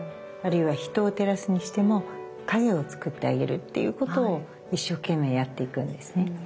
あるいは人を照らすにしても影をつくってあげるっていうことを一生懸命やっていくんですね。